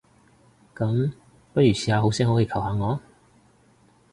噉，不如試下好聲好氣求下我？